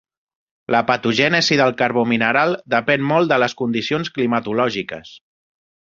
La patogènesi del carbó mineral depèn molt de les condicions climatològiques.